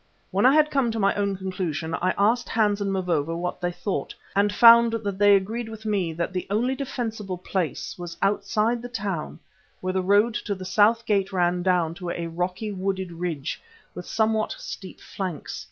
When I had come to my own conclusion I asked Hans and Mavovo what they thought, and found that they agreed with me that the only defensible place was outside the town where the road to the south gate ran down to a rocky wooded ridge with somewhat steep flanks.